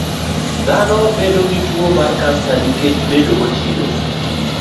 Dhano bedo gi tuo mar kansa nikech bedo mochido.